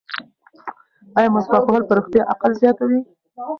ایا مسواک وهل په رښتیا عقل زیاتوي؟